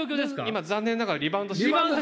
今残念ながらリバウンドし終わった。